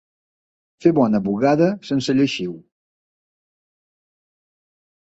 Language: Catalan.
Fer bona bugada sense lleixiu.